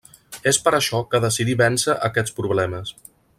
És per això que decidí vèncer aquests problemes.